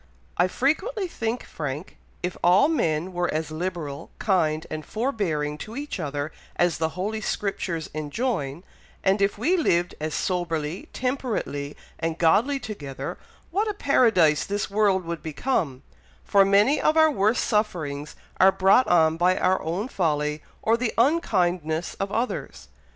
"I frequently think, Frank, if all men were as liberal, kind, and forbearing to each other as the Holy Scriptures enjoin, and if we lived as soberly, temperately, and godly together, what a paradise this world would become, for many of our worst sufferings are brought on by our own folly, or the unkindness of others.